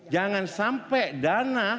jangan sampai dana